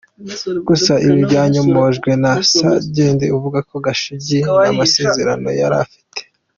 Gusa ibi byanyomojwe na Sendege uvuga ko Gashugi nta masezerano yari afite.